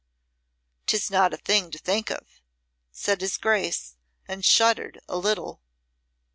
"'Tis not a thing to think of," said his Grace, and shuddered a little.